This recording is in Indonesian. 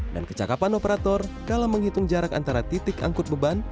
dan kecakapan operator dalam menghitung jarak antara titik angkut beban